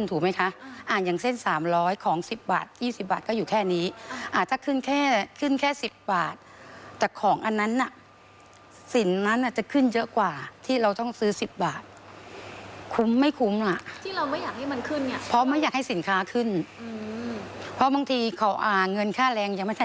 แต่สินค้าหรืออะไรแล้วแต่ขึ้นก่อนแล้ว